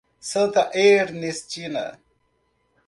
Santa Ernestina